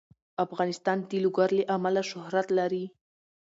افغانستان د لوگر له امله شهرت لري.